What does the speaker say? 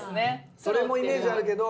それもイメージあるけど。